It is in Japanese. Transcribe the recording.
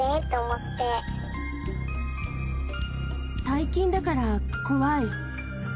大金だから、怖い。